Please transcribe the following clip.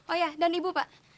oh ya dan ibu pak